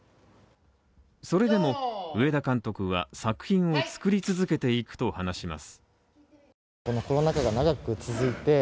それでも上田監督は作品を作り続けていくと話します。